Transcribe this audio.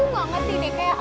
gak ngerti deh kayak